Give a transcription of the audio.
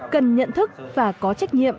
cần nhận thức và có trách nhiệm